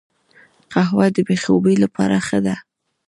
قهوه د بې خوبي لپاره ښه ده